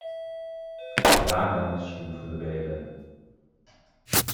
Jahrgangsstufe wählen.